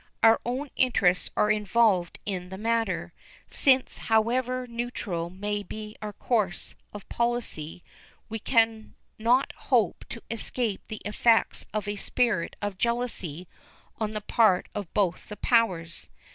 Our own interests are involved in the matter, since, however neutral may be our course of policy, we can not hope to escape the effects of a spirit of jealousy on the part of both of the powers.